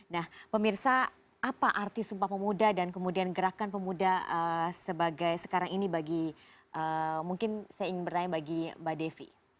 nah pemirsa apa arti sumpah pemuda dan kemudian gerakan pemuda sebagai sekarang ini bagi mungkin saya ingin bertanya bagi mbak devi